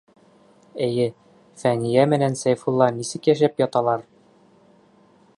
Эйе, Фәниә менән Сәйфулла нисек йәшәп яталар?